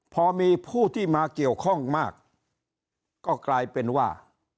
พอมีผู้ที่มาเกี่ยวข้องมากก็กลายเป็นว่า